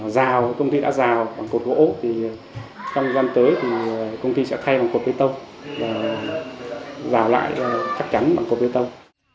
dào công ty đã dào bằng cột gỗ thì trong gian tới thì công ty sẽ thay bằng cột bê tông và dào lại khắc chắn bằng cột bê tông